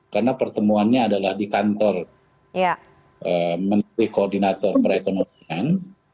karena pertemuannya di kantor menteri koordinator perekonomian